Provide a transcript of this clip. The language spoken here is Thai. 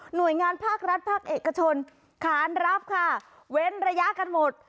หน่วยงานภาครัฐภาคเอกชนขานรับค่ะเว้นระยะกันหมด